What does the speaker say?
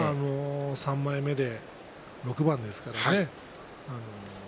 ３枚目で６番ですからね。